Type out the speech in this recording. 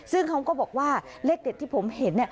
ซึ่งเขาก็บอกว่าเลขเด็ดที่ผมเห็น